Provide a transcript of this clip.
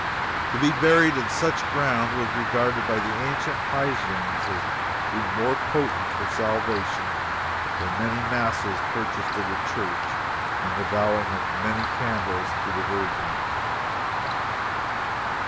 To be buried in such ground was regarded by the ancient Pisans as being more potent for salvation than many masses purchased of the church and the vowing of many candles to the Virgin.